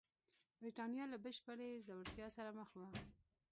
برېټانیا له بشپړې ځوړتیا سره مخ وه.